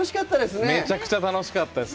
めちゃくちゃ楽しかったです。